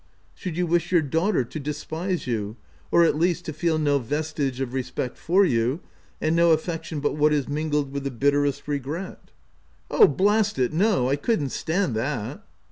u Should you wish your daughter to despise you — or, at least, to feel no vestige of respect for you, and no affection but what' is mingled with the bitterest regret ?" 90 THE TENANT " Oh, blast it, no ! I couldn't stand that."